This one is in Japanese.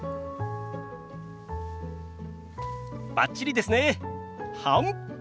バッチリですね。はむっ。